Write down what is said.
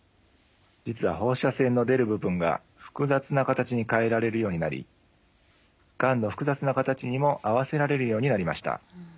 実は放射線の出る部分が複雑な形に変えられるようになりがんの複雑な形にも合わせられるようになりました。